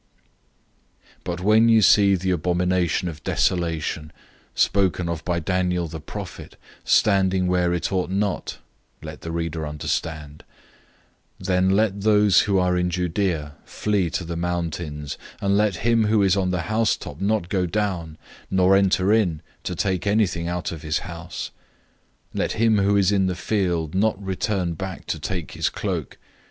013:014 But when you see the abomination of desolation,{Daniel 9:17; 11:31; 12:11} spoken of by Daniel the prophet, standing where it ought not (let the reader understand), then let those who are in Judea flee to the mountains, 013:015 and let him who is on the housetop not go down, nor enter in, to take anything out of his house. 013:016 Let him who is in the field not return back to take his cloak.